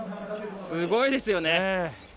すごいですよね。